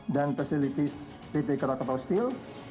dan facilities pt krakatau steel